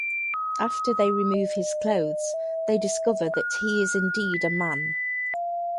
After they remove his clothes, they discover that he is indeed a man.